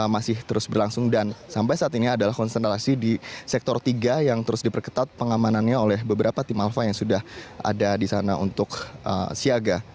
masih terus berlangsung dan sampai saat ini adalah konsentrasi di sektor tiga yang terus diperketat pengamanannya oleh beberapa tim alfa yang sudah ada di sana untuk siaga